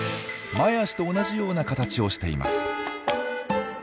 前足と同じような形をしています。